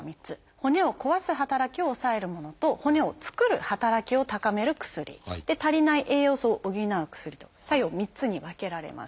骨を壊す働きを抑えるものと骨を作る働きを高める薬足りない栄養素を補う薬と作用３つに分けられます。